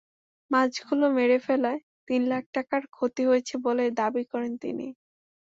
মাছগুলো মেরে ফেলায় তিন লাখ টাকার ক্ষতি হয়েছে বলে দাবি করেন তিনি।